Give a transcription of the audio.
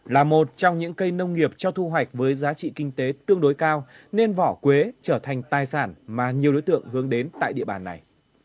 là một trong những cây nông nghiệp cho thu hoạch với giá trị kinh tế tương đối cao nên vỏ quế trở thành tài sản mà nhiều đối tượng hướng đến tại địa bàn này